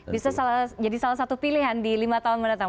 bisa jadi salah satu pilihan di lima tahun mendatang